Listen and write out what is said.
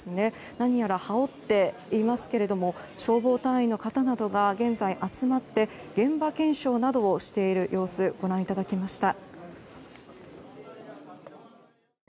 何やら羽織っていますけれども消防隊員の方などが集まって現場検証などをしている様子をご覧いただきました。